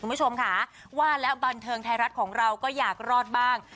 คุณผู้ชมค่ะว่าแล้วบันเทิงไทยรัฐของเราก็อยากรอดบ้าง